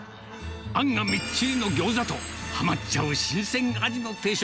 あんがみっちりなギョーザと、はまっちゃう新鮮アジの定食。